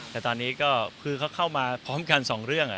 แต่ตอนนี้ก็คือเขาเข้ามาพร้อมกันสองเรื่อง